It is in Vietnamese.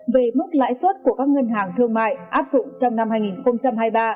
về mức lãi suất của các ngân hàng thương mại áp dụng trong năm hai nghìn hai mươi ba